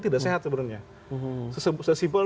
tidak sehat sebenarnya sesimpel